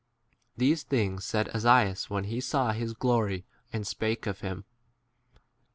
These things said Esaias when a he saw his 42 glory and spake of him.